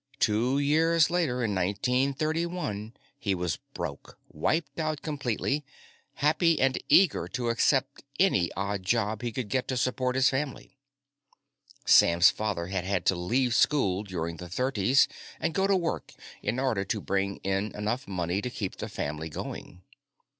Two years later, in 1931, he was broke, wiped out completely, happy and eager to accept any odd job he could get to support his family. Sam's father had had to leave school during the Thirties and go to work in order to bring in enough money to keep the family going.